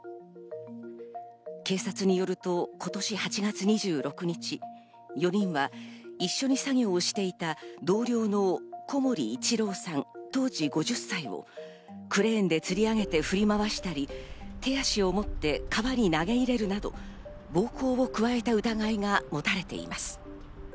警察によると今年８月２６日、４人は一緒に作業していた同僚の小森一郎さん、当時５０歳をクレーンで吊り上げて振り回したり、手足を持って川に投げ入れるなど、暴行を加えた疑いが持たれています。